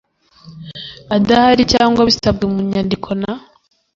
adahari cyangwa bisabwe mu nyandiko na